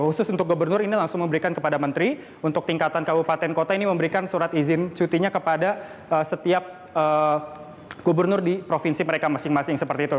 khusus untuk gubernur ini langsung memberikan kepada menteri untuk tingkatan kabupaten kota ini memberikan surat izin cutinya kepada setiap gubernur di provinsi mereka masing masing seperti itu